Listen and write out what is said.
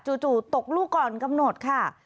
จู่ตกลูกก่อนกำหนดค่ะ